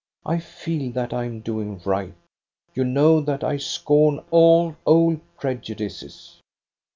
I feel that I am doing right. You know that I scorn all old prejudices.